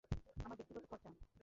আমার ব্যক্তিগত খরচা!